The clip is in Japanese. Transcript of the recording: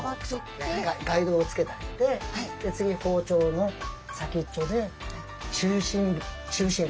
ガイドをつけてあげてで次包丁の先っちょで中心部。